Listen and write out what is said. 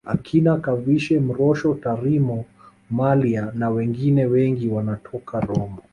Akina Kavishe Mrosso Tarimo Mallya nawengine wengi wanatoka Rombo